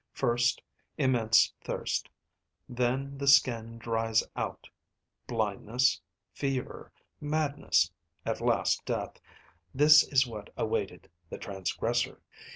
First immense thirst; then the skin dries out; blindness, fever, madness, at last death; this is what awaited the transgressor.